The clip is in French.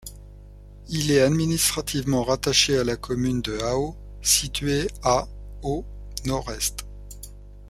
Il est administrativement rattaché à la commune de Hao, située à au nord-est.